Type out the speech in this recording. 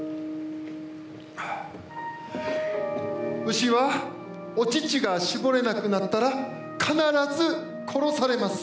牛はお乳が搾れなくなったら必ず殺されます。